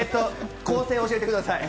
構成を教えてください。